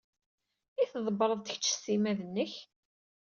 I tḍebbred kecc s timmad-nnek?